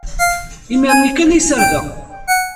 Imir-nni kan ay ssardeɣ.